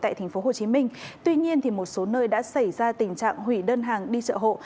tại tp hcm tuy nhiên một số nơi đã xảy ra tình trạng hủy đơn hàng đi chợ hộ